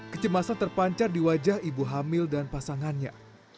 kecemasan terpancar di wajah ibu hamil dan pasangannya